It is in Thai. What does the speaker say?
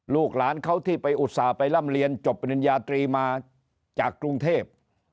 ลูกหลานเขาที่ไปอุตส่าห์ไปร่ำเรียนจบปริญญาตรีมาจากกรุงเทพ